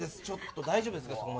ちょっと大丈夫ですか。